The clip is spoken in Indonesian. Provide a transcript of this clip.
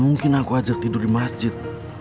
mungkin aku ajak tidur di masjid